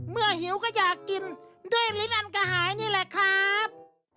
เมื่อหิวก็อยากกินด้วยฤทธิ์อันกระหายนี่แหละครับ